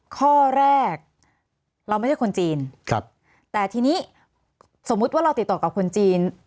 ข้อแรกเราไม่ใช่คนจีนครับแต่ทีนี้สมมุติว่าเราติดต่อกับคนจีน